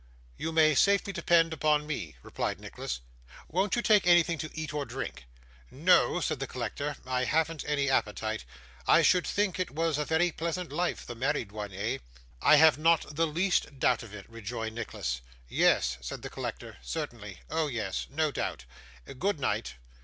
'You may safely depend upon me,' replied Nicholas. 'Won't you take anything to eat or drink?' 'No,' said the collector; 'I haven't any appetite. I should think it was a very pleasant life, the married one, eh?' 'I have not the least doubt of it,' rejoined Nicholas. 'Yes,' said the collector; 'certainly. Oh yes. No doubt. Good night.